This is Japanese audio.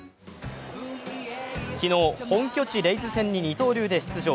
昨日、本拠地レイズ戦に二刀流で出場。